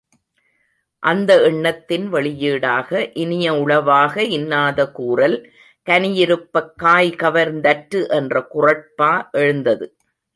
அந்த எண்ணத்தின் வெளியீடாக, இனிய உளவாக இன்னாத கூறல் கனியிருப்பக் காய்கவர்ந் தற்று என்ற குறட்பா எழுந்தது.